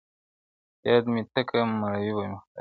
o ياد مي ته که، مړوي به مي خدای!